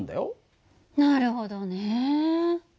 なるほどね。